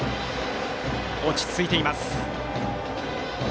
落ち着いています。